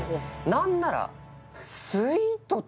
「何なら」